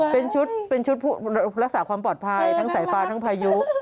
เป็นชุดเป็นชุดรักษาความปลอดภัยทั้งสายฟ้าทั้งพายุ